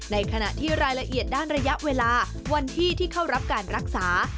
ในขณะที่รายละเอียดด้านระยะเวลาวันที่ที่เข้ารับการรักษา